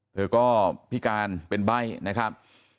เธอก็พิการเป็นใบ้นะครับ